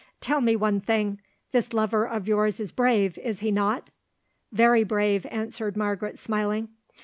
Tell me one thing. This lover of yours is brave, is he not?" "Very brave," answered Margaret, smiling.